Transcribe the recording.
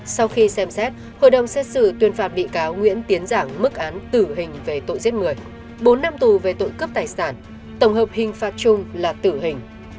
sau khi xem xét hội đồng xét xử tuyên phạt bị cáo nguyễn tiến giảng mức án tử hình về tội giết người bốn năm tù về tội cướp tài sản tổng hợp hình phạt chung là tử hình